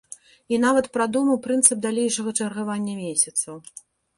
І нават прадумаў прынцып далейшага чаргавання месяцаў.